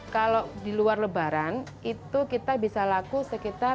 kalau di luar lebaran itu kita bisa laku sekitar